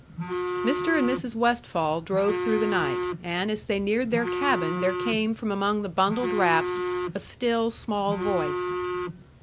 Mr. and Mrs. Westfall drove through the night, and as they neared their cabin there came from among the bundled wraps a still, small voice.